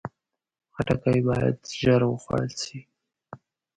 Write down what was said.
خټکی باید ژر وخوړل شي.